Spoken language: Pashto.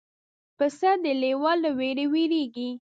پسه د لیوه له وېرې وېرېږي.